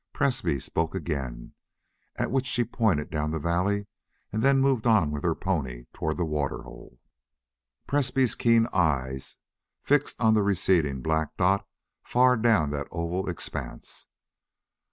Presbrey spoke again, at which she pointed down the valley, and then moved on with her pony toward the water hole. Presbrey's keen eyes fixed on the receding black dot far down that oval expanse.